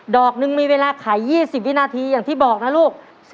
อกนึงมีเวลาขาย๒๐วินาทีอย่างที่บอกนะลูก